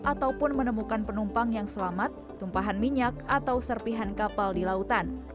ataupun menemukan penumpang yang selamat tumpahan minyak atau serpihan kapal di lautan